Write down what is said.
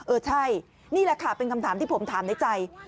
เออใช่นี่แหละค่ะเป็นคำถามที่ผมถามในใจ